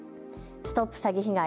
ＳＴＯＰ詐欺被害！